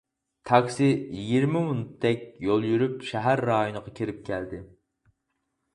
تاكسى يىگىرمە مىنۇتتەك يول يۈرۈپ، شەھەر رايونىغا كىرىپ كەلدى.